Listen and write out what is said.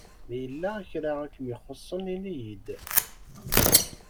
Ma yella kra i kem-ixuṣsen ini-yi-d!